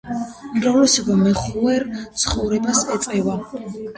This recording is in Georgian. უმრავლესობა მეხეურ ცხოვრებას ეწევა.